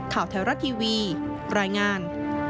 ข่าวไทรัตทีวีรายงาน